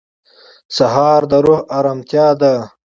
سهار د روح ارامتیا ده.